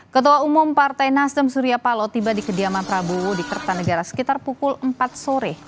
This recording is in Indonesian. ketua umum partai nasdem surya paloh tiba di kediaman prabowo di kertanegara sekitar pukul empat sore